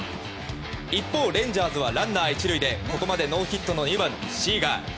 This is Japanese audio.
一方、レンジャーズはランナー１塁でここまでノーヒットの２番、シーガー。